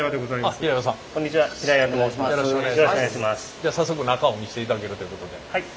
では早速中を見せていただけるということで。